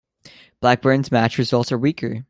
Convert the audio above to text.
Blackburne's match results are weaker.